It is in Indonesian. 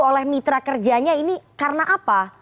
oleh mitra kerjanya ini karena apa